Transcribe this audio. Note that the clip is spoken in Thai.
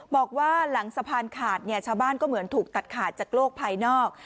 บอกว่าหลังสะพานขาดเนี่ยชาวบ้านก็เหมือนถูกตัดขาดจากโลกภายนอก